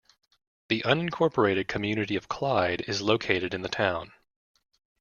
The unincorporated community of Clyde is located in the town.